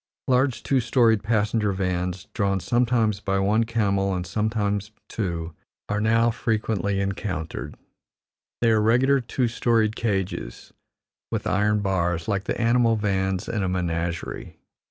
Large, two storied passenger vans, drawn sometimes by one camel and sometimes two, are now frequently encountered; they are regular two storied cages, with iron bars, like the animal vans in a menagerie.